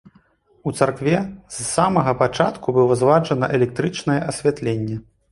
У царкве з самага пачатку было зладжана электрычнае асвятленне.